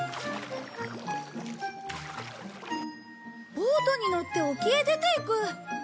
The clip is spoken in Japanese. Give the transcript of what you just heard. ボートに乗って沖へ出ていく！